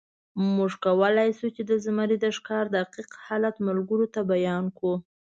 موږ کولی شو، چې د زمري د ښکار دقیق حالت ملګرو ته بیان کړو.